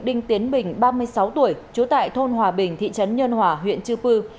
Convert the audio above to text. đinh tiến bình ba mươi sáu tuổi trú tại thôn hòa bình thị trấn nhân hòa huyện chư pư